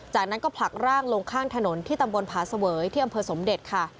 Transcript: จากนั้นก็ผลักร่างลงข้างถนนที่ตำบลผาเสวยที่อำเภอสมเด็จค่ะ